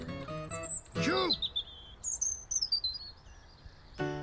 キュー！